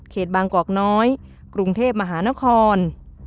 บางกอกน้อยกรุงเทพมหานคร